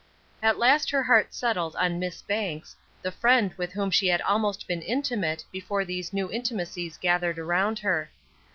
At last her heart settled on Miss Banks, the friend with whom she had almost been intimate before these new intimacies gathered around her.